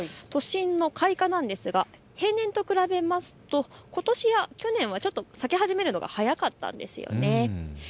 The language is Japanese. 都心の開花なんですが平年と比べますとことしや去年は咲き始めるのが早かったんですね。